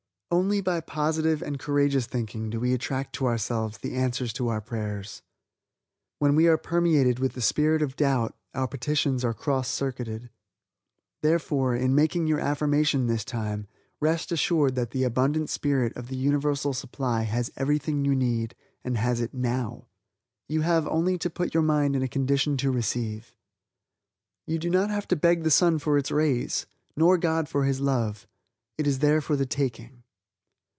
Only by positive and courageous thinking do we attract to ourselves the answers to our prayers. When we are permeated with the spirit of doubt, our petitions are cross circuited. Therefore, in making your affirmation this time, rest assured that the abundant spirit of the Universal Supply has everything you need, and has it now. You have only to put your mind in a condition to receive. You do not have to beg the sun for its rays, nor God for His love. It is there for the taking.